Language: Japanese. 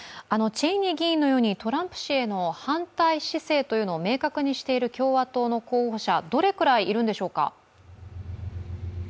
チェイニー議員のようにトランプ氏への反対姿勢を明確にしている共和党の候補者どれくらいいるんでしょうか？